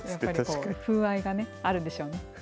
風合いがあるんでしょうね。